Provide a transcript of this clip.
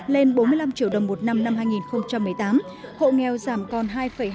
lên bốn mươi năm triệu đồng một năm năm hai nghìn một mươi tám hộ nghèo giảm còn hai hai mươi